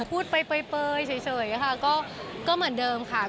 พูดไปเปลยเฉยค่ะก็เหมือนเดิมค่ะ